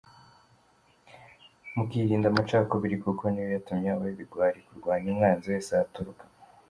Mukirinda amacakubiri kuko niyo yatumye habaho ibigwari, kurwanya umwanzi wese aho yaturuka hose.